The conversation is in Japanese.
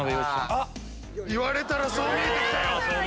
言われたらそう見えて来たよ！